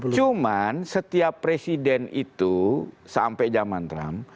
cuman setiap presiden itu sampai zaman trump